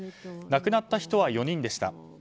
亡くなった人は４人でした。